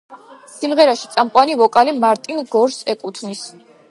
სიმღერაში წამყვანი ვოკალი მარტინ გორს ეკუთვნის.